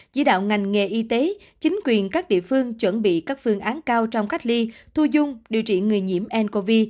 chỉ đạo ngành nghề y tế chính quyền các địa phương chuẩn bị các phương án cao trong cách ly thu dung điều trị người nhiễm ncov